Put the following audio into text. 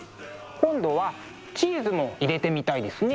今度はチーズも入れてみたいですね。